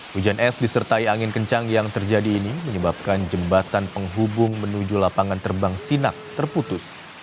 hujan es disertai angin kencang yang terjadi ini menyebabkan jembatan penghubung menuju lapangan terbang sinak terputus